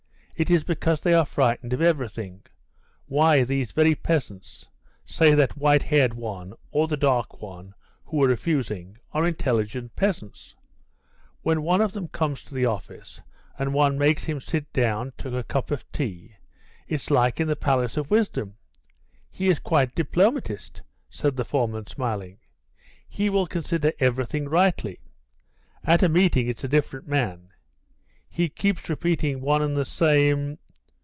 It is because they are frightened of everything. Why, these very peasants say that white haired one, or the dark one, who were refusing, are intelligent peasants. When one of them comes to the office and one makes him sit down to cup of tea it's like in the Palace of Wisdom he is quite diplomatist," said the foreman, smiling; "he will consider everything rightly. At a meeting it's a different man he keeps repeating one and the same